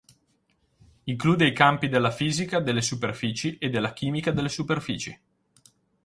Include i campi della fisica delle superfici e della chimica delle superfici.